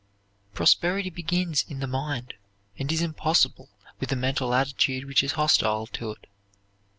Prosperity begins in the mind, and is impossible with a mental attitude which is hostile to it.